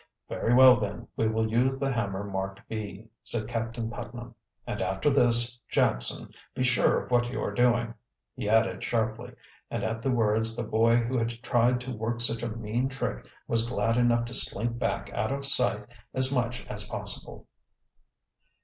"Very well then, we will use the hammer marked B," said Captain Putnam. "And after this, Jackson, be sure of what you are doing," he added sharply, and at the words the boy who had tried to work such a mean trick was glad enough to slink back out of sight as much as possible.